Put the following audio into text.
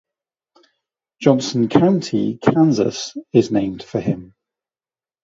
Johnson County, Kansas is named for him.